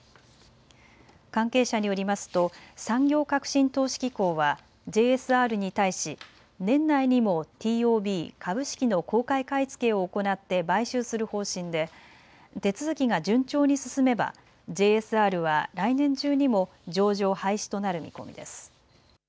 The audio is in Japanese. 関係者によりますと産業革新投資機構はＪＳＲに対し年内にもＴＯＢ・株式の公開買い付けを行って買収する方針で手続きが順調に進めばＪＳＲは来年中にも上場廃止となる見込みです。